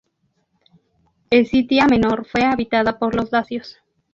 Escitia Menor fue habitada por los dacios.